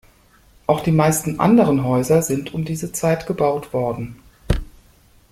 Auch die meisten anderen Häuser sind um diese Zeit gebaut worden.